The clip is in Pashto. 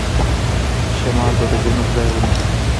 شمال به د جنوب ځای ونیسي.